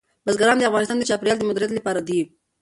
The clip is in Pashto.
بزګان د افغانستان د چاپیریال د مدیریت لپاره دي.